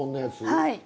はい。